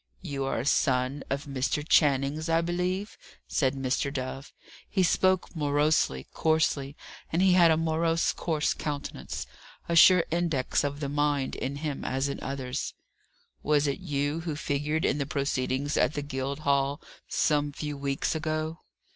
"You are a son of Mr. Channing's, I believe," said Mr. Dove. He spoke morosely, coarsely; and he had a morose, coarse countenance a sure index of the mind, in him, as in others. "Was it you who figured in the proceedings at the Guildhall some few weeks ago?"